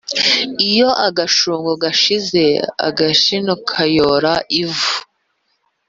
lyo agashungo gashize agashino kayora ivu.